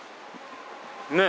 ねえ。